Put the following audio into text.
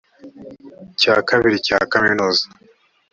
cya kabiri cya kaminuza